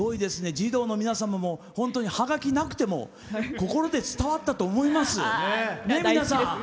児童の皆様も本当にはがきがなくても心で伝わったと思います。